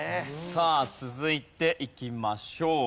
さあ続いていきましょう。